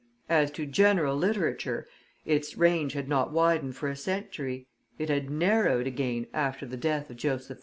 As to general literature, its range had not widened for a century; it had narrowed again after the death of Joseph II.